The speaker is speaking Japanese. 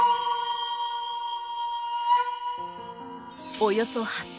およそ８００年